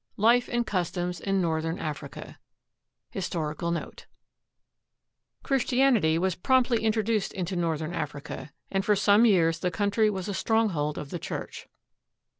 II LIFE AND CUSTOMS IN NORTHERN AFRICA HISTORICAL NOTE Christianity was promptly introduced into northern Africa, and for some years the country was a stronghold of the Church.